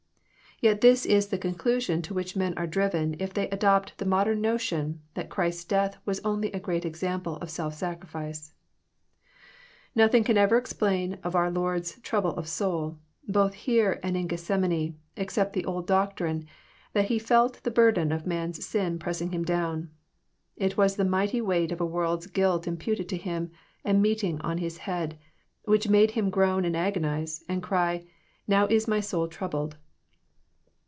Yet this is the conclusion to which men are driven if they adopt the mod em notion, that Christ's death was only a great example of self sacrifice. Nothing can ever explain our Lord's trouble of soul, both here and in Gethsemane, except the old doctrine, that He felt the burden of man's sin pressing Him down. It was the mighty weight of a world's guilt imputed to Him and meeting on his head, which made Him groan and agonize, and cry, "Now is my soul troubled."